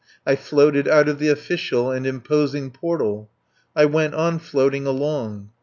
I floated out of the official and imposing portal. I went on floating along.